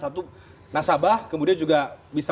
satu nasabah kemudian juga bisa